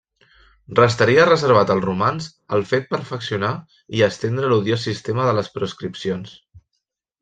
Restaria reservat als romans el fet perfeccionar i estendre l'odiós sistema de les proscripcions.